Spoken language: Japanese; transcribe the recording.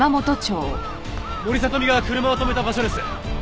森聡美が車を止めた場所です。